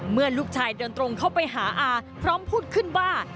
เมื่อลูกชายเดินตรงเข้าไปหาอาพร้อมพูดขึ้นว่า